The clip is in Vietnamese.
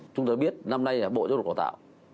chúng ta biết năm nay bộ giáo dục đào tạo